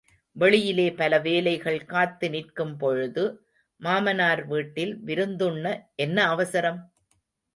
வெளியிலே பல வேலைகள் காத்து நிற்கும் பொழுது, மாமனார் வீட்டில் விருந்துண்ன என்ன அவசரம்?